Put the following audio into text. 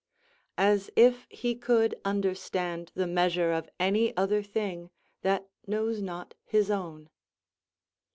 _ "As if he could understand the measure of any other thing, that knows not his own."